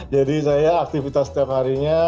jadi saya aktivitas setiap harinya